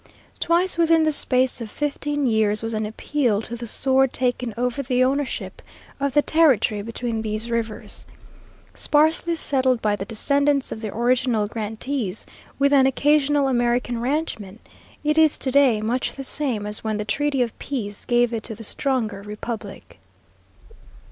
Twice within the space of fifteen years was an appeal to the sword taken over the ownership of the territory between these rivers. Sparsely settled by the descendants of the original grantees, with an occasional American ranchman, it is to day much the same as when the treaty of peace gave it to the stronger republic.